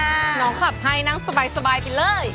น้องขับให้นั่งสบายไปเลย